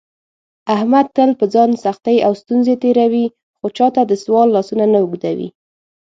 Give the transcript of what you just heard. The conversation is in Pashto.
احمد تل په ځان سختې او ستونزې تېروي، خو چاته دسوال لاسونه نه اوږدوي.